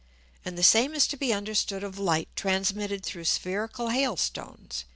And the same is to be understood of Light transmitted through spherical Hail stones.